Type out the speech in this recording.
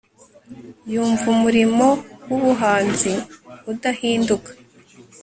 Yumva umurimo wubuhanzi udahinduka